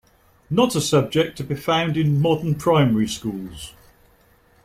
Not a subject to be found in modern Primary Schools.